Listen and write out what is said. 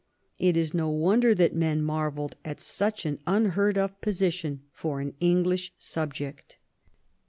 It is no wonder that men marvelled at such an unheard of position for an English subject.